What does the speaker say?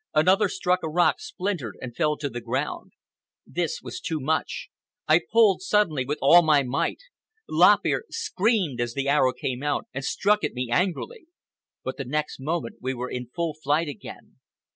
Another struck a rock, splintered, and fell to the ground. This was too much. I pulled, suddenly, with all my might. Lop Ear screamed as the arrow came out, and struck at me angrily. But the next moment we were in full flight again.